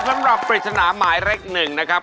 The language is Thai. สำหรับปริศนาหมายเล็กหนึ่งนะครับ